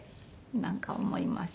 なんか思います。